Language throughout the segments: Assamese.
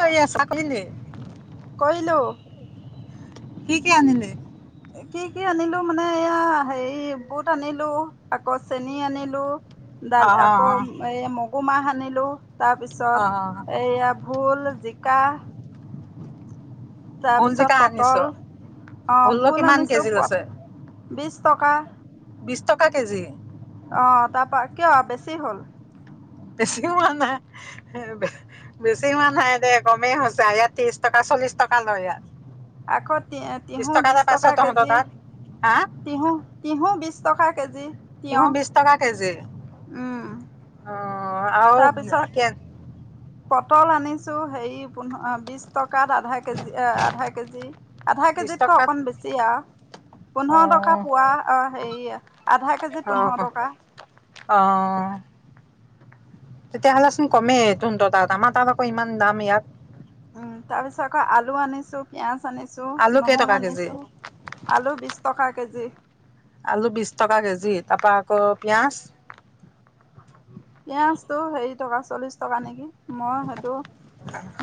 কৰি আছা কৰিলি কৰিলো কি কি আনিলে কি কি আনিলো মানে এয়া হেৰি বুট আনিলো আকৌ চেনী আনিলো অ দাল অ আকৌ এ মগু মাহ আনি লো অ তাৰপিছত অ এয়া ভোল জিকা [inaudible] ভোল তাৰপিছত জিকা আনিছ পটল অ ভোলৰ ভোল কিমান আনিছোঁ কেজি লৈছে বিশ টকা বিশ টকা কেজি আহ তাৰপা কিয় বেছি হ'ল বেছিও হোৱা নাই বেছি হোৱা নাই দে কমেই হৈছে ইয়াত ত্ৰিশ টকা চল্লিশ টকা লয় ইয়াত আকৌ তি তিহু বিশ এটা পাইছ টকা তহঁতৰ কেজি তাত হা তিহু তিহু বিশ টকা কেজি কিহু তিয়হ বিছ টকা কেজি উম অ আৰু তাৰপিছত পটল আনিছো হেৰি পোন্ধ বিশ টকাত আধা কেজি আধা কেজি আধা বিশ কেজিতকৈ টকাত অকন বেছি আৰু পোন্ধৰ টকা পোৱা আহ সেেইয়া আহ আহ তেতিয়াহ'লেচোন কমেই ধনটো তাত আমাৰ তাত আকৌ ইমান দাম ইয়াত উম তাৰপিছত আকৌ আলু আনিছো পিয়াজ আনিছো আলু কেইটকা নহৰু কেজি আনিছো আলু বি টকা কেজি আলু বিশ টকা কেজি তাৰপৰা আকৌ পিঁয়াজ পিয়য়াজটো হেৰি টকা চল্লিশ টকা নেকি মই সেইটো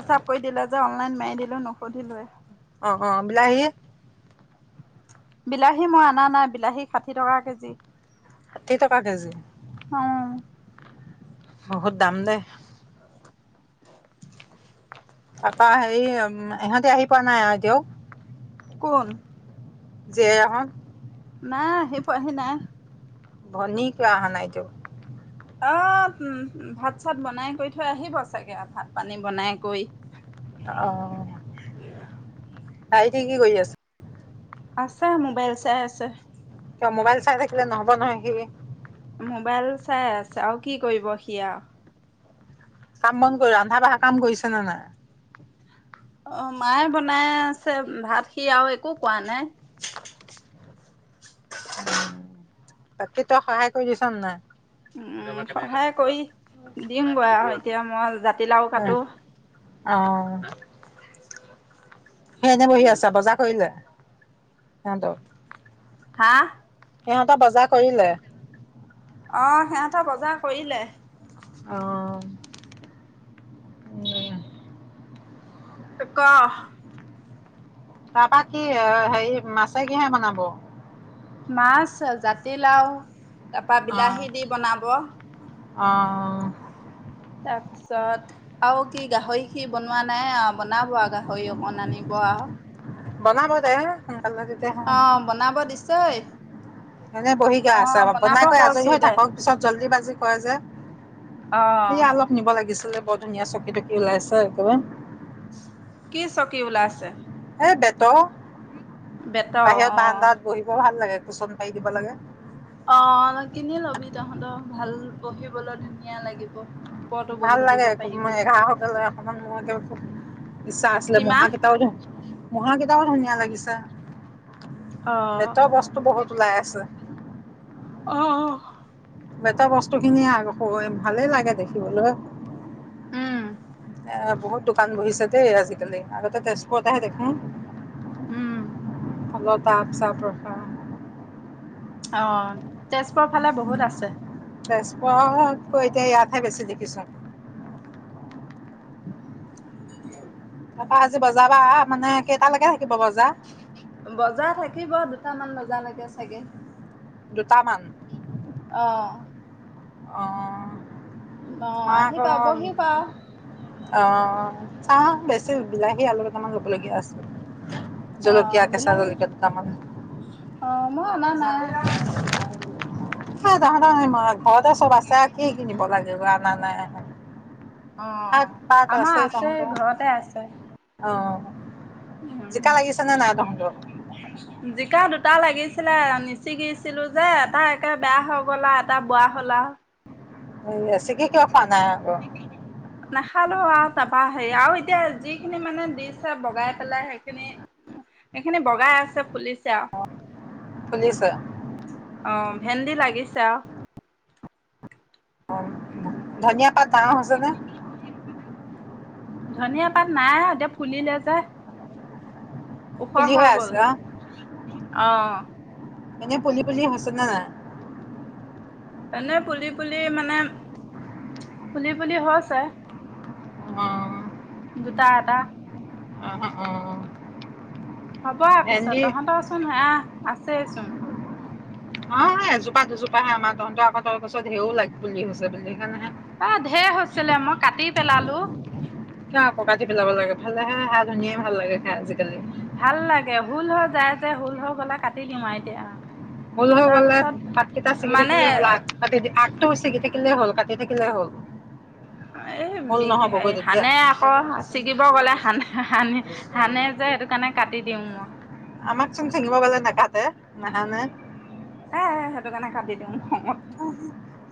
হিচাপ কৰি দিলে যে অনলাইন মাৰি দিলো নুসুধিলো আৰু অ অ বিলাহি বিলাহী মই অনা নাই বিলাহী ষাঠি টকা কেজি ষাঠি টকা কেজি অ বহুত দাম দে তপৰা হেৰি ইহঁতি আহি পোৱা নাই আৰু এতিয়াও কোন যেহত নাহ সি পোবাহি নাই ভনী কিয় অহা কিয় অ উ ভাত চাত বনাই কৰি থৈ আহিব চাগে ভাত পানী বনাই কৰি আহ তাই কি কি কৰি আছে আছে মোবাইল চায় আছে কিয় মোবাইল চাই থাকিলে নহব নহয় এনেকে সি মোবাইল চাই আছে আৰু কি কৰিব সি আৰু কাম বন কৰি ৰন্ধা বঢ়া কাম কৰিছে নে নাই অ মায়ে বনাই আছে ভাত সি আৰু একো কোৱা নাই উম তাকে তই সহায় কৰি দিছ নাই উম সহায় কৰি দিম গৈ আৰু এতিয়া মই জাতিলাও কাটো আহ হেযাতে বহি আছা বজাৰ কৰিলে আনটো হা সিহঁত বজাৰ কৰিলে সিহঁত বজাৰ কৰিলে আহ উ ক তাৰপা কি হেৰি মাছে কিহে বনাব মাছ জাতিলাও তাৰ পৰা। অ', বিলাহী দি বনাব অ', তাৰপিছত আৰু কি গাহৰি খিনি বনোৱা নাই বনাব আৰু গাহৰি অকন আনিব আৰু বনাব দে সোনকালে তেতিয়াে অ বনাব দিছেই এনে বহি গা। অ চাহ আছে বনাব বনাই কৈ আজৰি কৈছো হৈ দে থাকক পিছত জল্দি বাজি কয় যে অ সেয়া অলপ নিব লাগিছিল। লি বৰ ধুনীয়া চকী টকি ওলাইছে, কলে। কি চকী ওলাইছে? এ, বেঁতৰ। বেতৰ বাহিৰত অ বাৰাণ্ডাত ব'হিব ভাল লাগে। কুচন পাৰি দিব লাগে। অ, কিনি লবি তহঁতৰ, ভাল বহিবলৈ ধুনীয়া লাগিব। ওপৰতো বহি ভাল থাকিব লাগে, ক, পাৰিবি এ-এঘাৰশকে লয়, অকমান মোৰ, ধেওঁ, খুব ইচ্ছা আছিলে। কিমান মুঢ়াকেইটাও যে, মুঢ়াকেইটাও বৰ ধুনীয়া লাগিছে। অ বেঁতৰ বস্তু বহুত ওলাই আছে। অ, অহ। বেঁত বস্তু খিনিয়ে আ, সওয়ে, ভালেই লাগে দেখিবলৈ। উম। এ বহুত দোকান বহিছে দেই আজিকালি, আগতে তেজপুৰতেহে দেখো। উম। [unintelligible] টাব-চাব ৰখা অ'। তেজপুৰৰ ফালে বহুত আছে তেজপুৰতকৈ এতিয়া ইয়াত হে বেছি দেখিছোঁ। [inaudible] তাপা, আজি বজাৰপা আহা মানে কেইটালৈকে থাকিব বজা? বজাৰ থাকিব দুটামান বজালৈকে চাগে। দুটামান অহ। অ'। অ মই আকৌ আহিবা বহিবা অ' চাওঁ বেছি বিলাহী, আলু কেটামান ল'বলগীয়া আছে। অ জলকীয়া, কেঁচা বিলাহী জলকীয়া দুটামান। অ মই অনা নাই হেই তহঁতৰ ম ঘৰতে চব আছে আউ কি কিনিব লাগে? [unintelligible] শাক অ', পাত আমাৰ আছে, তহঁতৰ ঘৰতে আছে। অ। জিকা উম লাগিছে নে নাই তহঁতৰ? কা দুটা লাগিছিলে আৰু নিছিগিছিলোঁ যে, এটা একে বেয়া হৈ গ'ল আউ, এটা বুৱা হ'ল আউ। নিচিগি কিয় খোৱা নাই আকৌ নাখালো আউ, তাপা হেয়ি আউ এতিয়া যি সেইখিনি মানে দিছে, বগাই পেলাই সেইখিনি। এইখিনি বগাই আছে ফুলিছে অআ ফুলিছে ভেন্দি লাগিছে পুলিছে। অ ধনিয়া পাত ডাঙৰ হৈছে নে ধনিয়া পাত নাই এতিয়া ফুলিলে যে ফুলি হৈ আছে। অহ আহ এনেই ফুলি ফুলি হৈছে নৈ নাই এনেই ফুলি ফুলি মানে ফুলি ফুলি হৈছে অ', দুটা এটা অ', অ', হ'ব পিছত ভেন্দি তহঁতচোন হয়া আছেচোন অ এ এজোপা দুজোপা হে আমাৰ তহঁতৰ আকৌ তই গছত ধেও লাগ পুলি হৈছে বুলি সেইকাৰণেহে আহ ঢেৰ হৈছিলে মই কাটি পেলালো কিয়কাটি পেলাব লাগে ভালেহে সেয়া ধুনিয়া ভাল লাগে খাই আজিকালি ভাল লাগে হুল হৈ যায় যে হুল হৈ গ'লে কাটি দিম আৰু এতিয়া হল হৈ গ'লে তাৰপিছত পাতকেইটা ছিগি মানে থাকিলে হ'ল, আগ আগটো ছিগি থাকিলে হ'ল। দি থাকিলে হল। এই ভুল বি নহ'বগৈ তেতিয়া হানে আকৌ ছিকিব গ'লে হানে। হানে হানে যে সেইটো কাৰণে কাটি দিওঁ মই। আমাকচোন চিঙিব গলে নেকাতে, নেহানে। হে সেইটো কাৰণে কাটি দিওঁ। খঙত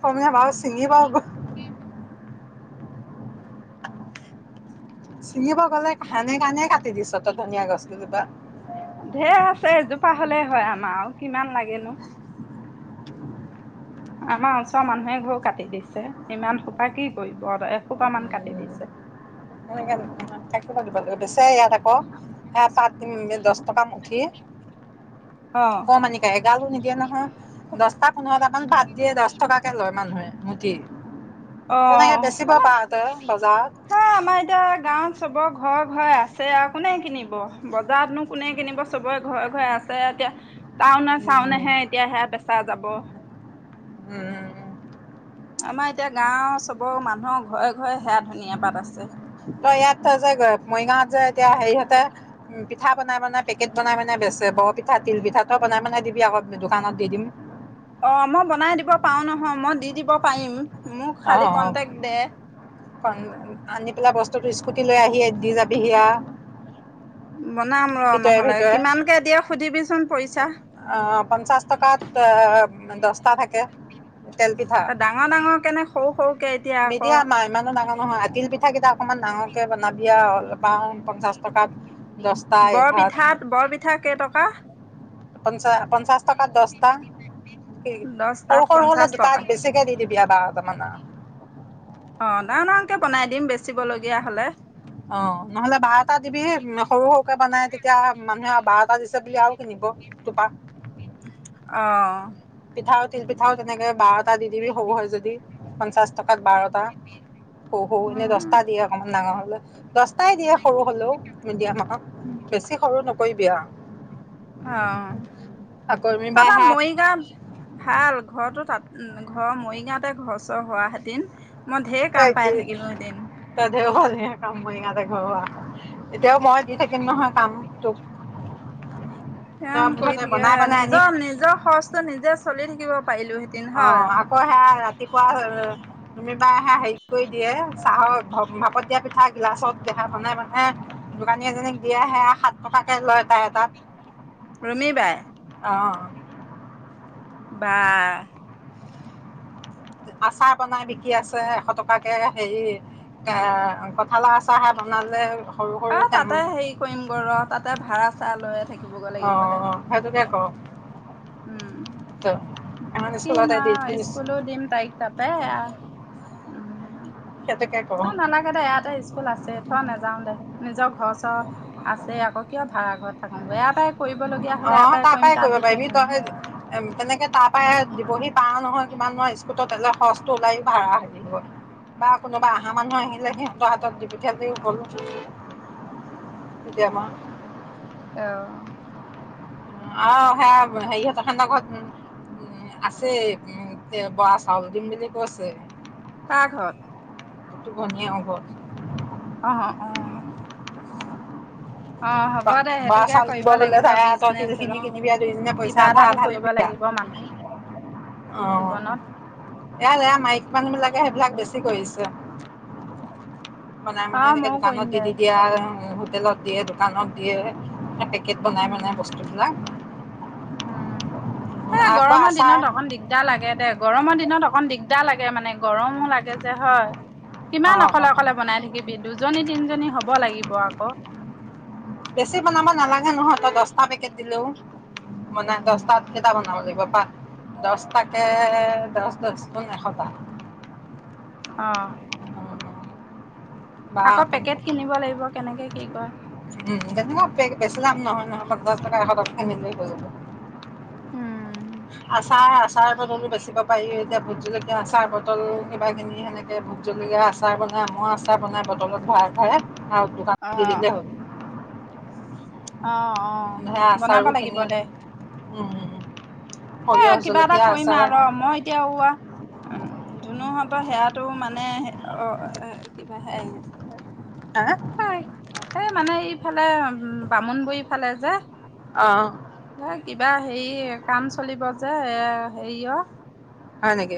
কম নে বাৰু চিঙিব গলে চিঙিব গ'লে হানে কানে কাটি দিছ তই ধনীয়া গছকিজোপা। ধেৰ আছে এজোপা হ'লেই হয় আমাৰ কিমান লাগেনো। আমাৰ ওচৰৰ মানুহে ঘৰ কাটি দিছে ইমান সোপা কি কৰিব এসোপা মান কাটি উম, দিছে। দিব লাগে বেছে ইয়াত আকৌ হ পাত দহ [unintelligible] টকা মুঠি অ'। অকমানিকা এগালো নকি- য নহ [unintelligible] দছটা পোন্ধৰটা মান পাট- দিয়ে দছ টকাকে লয় মানুহে মুঠি। অ তেনেকে বেচিব হা পাৰ তই বজাৰত হা আমাৰ এতিয়া, গাঁৱত চবৰ ঘৰ ঘৰে আছে আৰু কোনে কিনিব, বজাৰতনো কোনে কিনিব চবৰে ঘৰে ঘৰে আছে এতিয়া তাওনে চাওনেহে এতিয়াহে বেছা যাব। উম আমাৰ এতিয়া গাঁওৰ চবৰ মানুহৰ ঘৰে ঘৰে সেয়া ধুনীয়া পাত আছে। ত ইয়াত যে মৰিগাঁৱত যে এতিয়া হেৰিহঁতে পিঠা বনাই বনাই, পেকেট বনাই বেছে। বৰ পিঠা, তিল পিঠা, ত‌ই বনাই বনাই দিবি আক দোকানত দি দিম। অ মই বনাই দিব পাৰো নহয় মই দি দিব পাৰিম। মোক খালী অঁ কন্টেক্ট দে। আনি পেলাই বস্তুটো স্কুটি লৈ আহিয়ে দি যাবিহি আও। বনাম ৰ নহ'লে কিমানকে এতিয়া সুধিবিচোন, পইচা। অ পঞ্চাশ টকাত দশটা থাকে। কে ডাঙৰ ডাঙৰ কেনে সৰু সৰু মিডিয়া আমা ইমানৰ ডাঙৰ- নহয় আ তিল পিঠা কেইটা অকনমান ডাঙৰকে বনাবি আও অল পাও পঞ্চাশ টকাত দহটা এঘাৰত বৰপিঠাত বৰপিঠা কেইটকা? পঞ্চা পঞ্চাছ প টকাত দছটা। কি সৰু দহটাত সৰু হলে পঞ্চাছ দুটা টকা বেছিকে দি দিবি আৰু বাও। ামান [unintelligible] অ ডাঙৰ ডাঙৰকে বনাই দিম বেচিবলগীয়া হলে অ নহলে বাহ এটা দিবি সৰু সৰুকে বনাই তেতিয়া মানুহে বাৰ এটা দিছে বুলি আৰু কিনিব টোপা অ পিঠাও তিল পিঠাও তেনেকে বাৰটা দি দিবি সৰু হয় যদি পঞ্চাশ টকাত বাৰটা হ হৌ এনে উম দহটা দিয়ে অকমান ডাঙৰ দছটাই দিয়ে সৰু হলেও নিদিয়া নহ বেছি সৰু নেকি ক বিয়া অ মিবাই তপা হা মৰিগাঁ ভাল ঘৰটো তাত উ ঘৰৰ মৰিগাওতে ঘৰ চৰ হোৱা হেতেন মই ঢেৰ কাম পাই থাকিলো এদিন দেওবালীয়া কামনীয়াতে গা [unintelligible] এতিয়াও মই দি থাকিম নহয় কাম ত স কৰি থাকে নিজৰ নিজৰ খৰচটো নিজে চলি থাকিব পাৰিলোহেঁতেন অ হয় আকৌ হেয়া ৰাতিপুৱা তুমি বাাৰ সে হেৰি কৰি দিয়ে চাহৰ ভাপত দিয়া পিঠা গিলাচত দেখা পনাই মানে দোকানী এজনীক দিয়ে সেয়া সাত টকাকে লয় তাই তাত ৰুমি বাই অঁ বা আচাৰ বনাই বিকি আছে এশ টকাকে হেৰি এ কঠালৰ আচাৰ বনালে সৰু সৰু অ তাতে হেৰি কৰিম গ ৰ তাতে ভাড়া চা লৈয়ে থাকিম অ অ সেইটোকে কৰো [unintelligible] উম এখন ভাল কিনু স্কুলতে দি আও দিছোঁ স্কুলো দিম তাইক তাতে উম সেইটোকে অ কৰোঁ নালাগে দে ইয়াতে স্কুল আছে থ নেযাও দে নিজৰ ঘৰ আছে আকৌ কিয় ভাড়া ঘৰত থাকোগৈ ইয়াৰ পৰাই কৰিবলগীয়া অ হ'লে ইয়াৰ তাৰ কৰিম পৰাই তাত দি কৰিব থৈ পাৰিবি আহিম তই তেনেকে তাৰ পৰাই দিবহি পাওঁ নহয় কিমানয় স্কুটত এলে সৰচটো ওলাই ভাড়া হব বা কোনোবা অহা মানুহ আহিলে সিহঁতৰ হাতত দি পঠিয়াই দিও গলো এতিয়াা [unintelligible] অ আহ সেয়া হেৰিহতৰ স ঘৰত উ আছে উ বৰা চাউল দিম বুলি কৈছে তাৰঘৰত ত বনিয় ঘত আহ অ আহ অ হ'ব বা দে বা সেইটোকে চাউল দিব কৰিব বোলে লাগিব তাই তই তিল বিজনেচ খিনি ৰ কিনিবি আৰু দুইজনীয়ে পইচা কিবা আধা এটাটো আধা কৰিব লবি আৰু লাগিব মানুহে। অ এয়াৰ মাকি। মানুহ বিলাকে সেইবিলাক বেছি কৰিছে। বনাই অ মনাই এনেকে ময়ো কৰিম দোকানত দি দে দি দিয়া। হোটেলত দিয়ে দোকানত দিয়ে। কে বনাই মানে উম বস্তুবিলাক। উম। এ আকৌ গৰমৰ দিনত আচাৰ। অকণ দিগদাৰ লাগে দে গৰমৰ দিনত অকণ দিগদাৰ। দা লাগে মানে গৰমো লাগে যে হয়। অ কিমান অ অকলে অকলে বনাই থাকিবি দুজনী তিনজনী হব লাগিব আকৌ। বেছি বনাব নালাগে নহয় ত দহটা পেকেট। দো মানে দহটাত কেইটা বনাব লাগিব পা দহটাকে দহ দহ গুন এশটা। অহ। বা পেকেট কিনিব লাগিব কেনেকে কি কয় উম তেনেুৱ বেচি যাম নহয় নহয়। টকা এশ টকৈ মিলিলৈ যাব। উম। আচাৰ আচাৰ বটলো বেচিব পাৰি। এতিয়া ভোট জলকীয়া আচাৰ বটল কিবাখিনি সেনেকৈ ভোট জলকীয়া আচাৰ বনায় মমৰ আচাৰ বনায় বটলত ভাৰ ভাৰে। আও যোগান দিলে হ'ল। অহ অহ বনাব লাগিব দে। উওম উও। এ কিবা এটা কৰিম আৰু মই এতিয়া ওৱ উ ধুনু হ। তো সেৱটো মানে। কিবা হে হা আহি এই মানে এই। ইফালে বামুণ বলি ফালে যে। অহ। এ কিবা হেৰি কাম। চলিব যে এ হেৰি অ। হয় নেকি।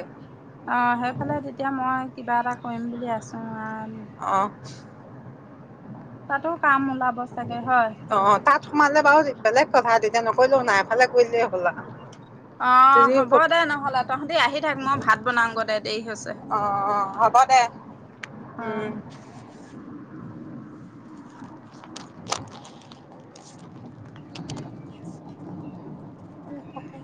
অ সেইফালে তেতিয়া মই কিবা এটা কৰিম বুলি আছো। অ। তাতো কাম ওলাব। চাগে হয়। অ তাত সোমালে বাৰু দি বেলেগ। কথা তেতিয়া নকলেও নাই এফালে কৰিলে হ'ল আও। আহ হ'ব দে নহ'লে তহঁতি আহি থাক মই ভাত বনাও গ দে দেৰি হৈছে অ', অ', হ'ব দে আহ উম। [inaudible] উ কথা